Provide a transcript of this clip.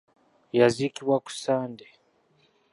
Yaziikibwa ku Sande.